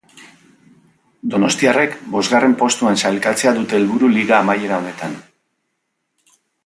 Donostiarrek bosgarren postuan sailkatzea dute helburu liga amaiera honetan.